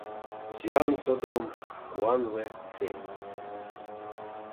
Сӱан содом, куанле сем.